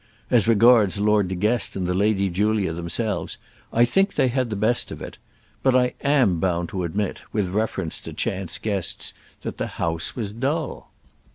As regards Lord De Guest and the Lady Julia themselves, I think they had the best of it; but I am bound to admit, with reference to chance guests, that the house was dull.